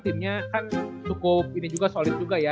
timnya kan cukup solid juga ya